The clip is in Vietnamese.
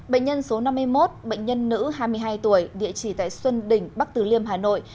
bệnh nhân số năm mươi một bệnh nhân nữ hai mươi hai tuổi địa chỉ tại xuân đỉnh bắc từ liêm hà nội